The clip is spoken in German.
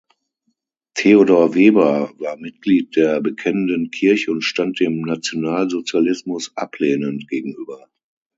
Theodor Weber war Mitglied der Bekennenden Kirche und stand dem Nationalsozialismus ablehnend gegenüber.